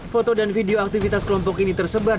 foto dan video aktivitas kelompok ini tersebar